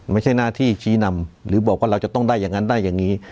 ไม่ใช่หน้าที่ชี้นำหรือบอกว่าเราจะต้องได้อย่างนั้นได้อย่างนี้